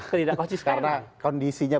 ketidakpacis karena kondisinya